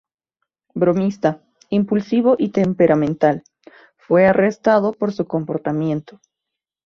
Bromista, impulsivo y temperamental, fue arrestado por su comportamiento.